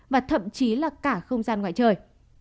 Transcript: và thậm chí là cả không gian ngoại trời